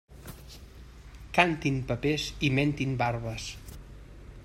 Cantin papers i mentin barbes.